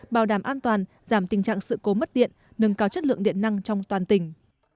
bảo đảm an toàn giảm tình trạng sự cố mất điện nâng cao chất lượng điện năng trong toàn tỉnh